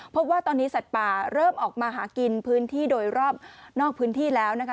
พบว่าตอนนี้สัตว์ป่าเริ่มออกมาหากินพื้นที่โดยรอบนอกพื้นที่แล้วนะคะ